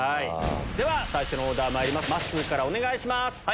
では最初のオーダーまいりますまっすーからお願います。